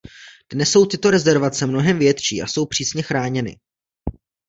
Dnes jsou tyto rezervace mnohem větší a jsou přísně chráněny.